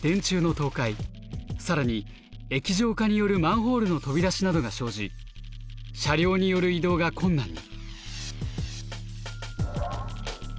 さらに液状化によるマンホールの飛び出しなどが生じ車両による移動が困難に。